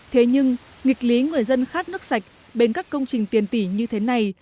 thế nhưng nghịch lý người dân khát nước sạch bên các công trình tiền tỷ như thế này